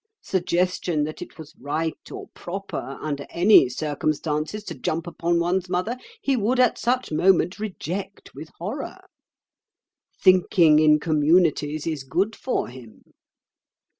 Suggestion that it was right or proper under any circumstances to jump upon one's mother he would at such moment reject with horror. 'Thinking in communities' is good for him.